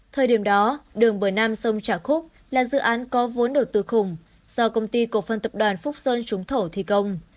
thời điểm đó đường bờ nam sông trà khúc là dự án có vốn đầu tư khủng do công ty cổ phân tập đoàn phúc sơn trúng thổ thi công